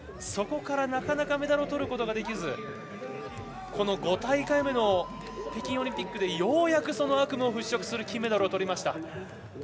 そこからなかなかメダルをとることができずこの５大会目の北京オリンピックでようやく、その悪夢を払拭する金メダルをとりました。